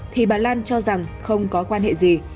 thì bà lan cho rằng không có quan hệ gì